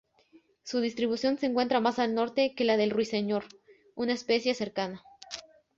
Su distribución se encuentra más al norte que la del ruiseñor, una especie cercana.